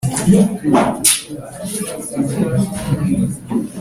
Nuko nebukadinezari arakarira cyane shadaraki meshaki na abedenego mu maso